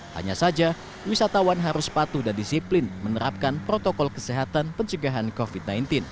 hanya saja wisatawan harus patuh dan disiplin menerapkan protokol kesehatan pencegahan covid sembilan belas